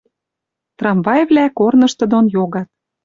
Трамвайвлӓ корнышты дон йогат